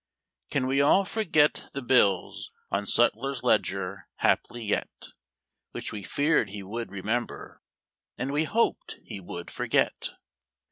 Can we all forget the bills on Sutler's ledger haply yet, Which we feared he would remember, and we hoped he would forget?